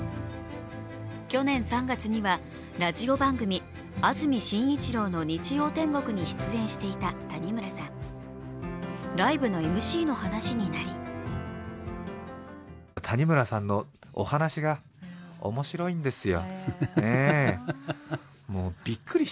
去年３月にはラジオ番組「安住紳一郎の日曜天国」に出演していた谷村さん、ライブのＭＣの話になり名曲「昂−すばる−」の誕生秘話を語る場面もありました。